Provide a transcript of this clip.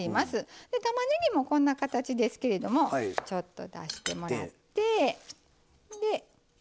でたまねぎもこんな形ですけれどもちょっと出してもらって。